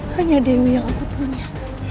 hanya dewi yang aku punya